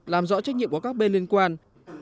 làm rõ trách nhiệm của các bên liên quan